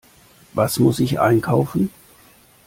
Was muss ich einkaufen?